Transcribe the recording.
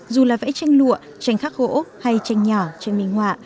dù là vẽ tranh lụa tranh khắc gỗ hay tranh nhỏ tranh minh họa